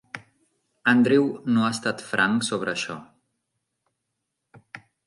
Andrew no ha estat franc sobre això.